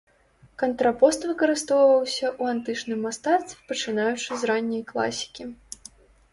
Кантрапост выкарыстоўваўся ў антычным мастацтве пачынаючы з ранняй класікі.